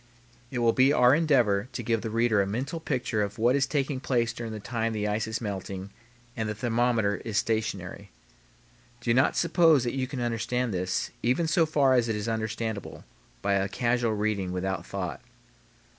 It will be our endeavor to give the reader a mental picture of what is taking place during the time the ice is melting and the thermometer is stationary. Do not suppose that you can understand this, even so far as it is understandable, by a casual reading without thought.